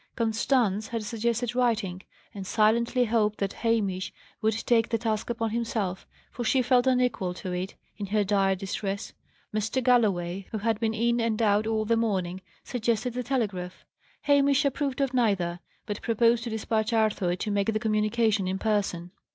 Constance had suggested writing, and silently hoped that Hamish would take the task upon himself, for she felt unequal to it, in her dire distress. Mr. Galloway, who had been in and out all the morning, suggested the telegraph. Hamish approved of neither, but proposed to despatch Arthur, to make the communication in person.